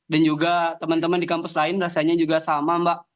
dan juga teman teman di kampus lain rasanya juga sama mbak